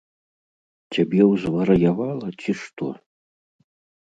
Цябе ўзвар'явала, ці што?